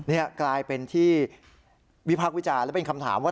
นี่กลายเป็นที่วิพากษ์วิจารณ์และเป็นคำถามว่า